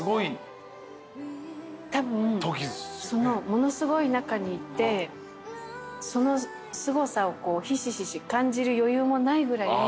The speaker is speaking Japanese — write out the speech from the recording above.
ものすごい中にいてそのすごさをひしひし感じる余裕もないぐらい。